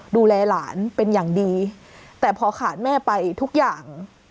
ดูแลหลานเป็นอย่างดีแต่พอขาดแม่ไปทุกอย่าง